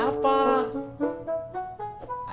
sarapannya pake apa